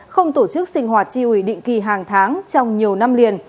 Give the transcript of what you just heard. không tổ chức sinh hoạt tri ủy định kỳ hàng tháng trong nhiều năm liền